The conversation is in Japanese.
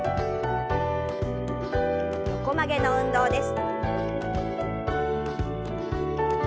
横曲げの運動です。